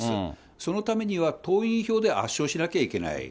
そのためには党員票で圧勝しなきゃいけない。